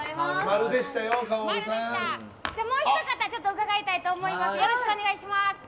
じゃあもうひと方伺いたいと思います。